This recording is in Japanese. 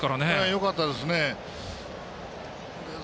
よかったですね。